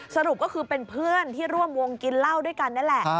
สรุปก็คือเป็นเพื่อนที่ร่วมวงกินเหล้าด้วยกันนั่นแหละ